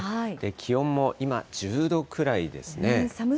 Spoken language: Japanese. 気温も今、１０度くらいですね。